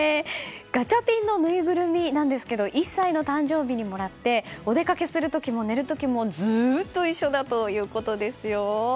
ガチャピンのぬいぐるみなんですけど１歳の誕生日にもらってお出かけする時も寝る時もずっと一緒だということですよ。